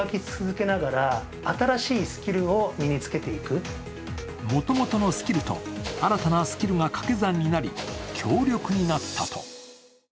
その理由をもともとのスキルと、新たなスキルが掛け算になり強力になったと。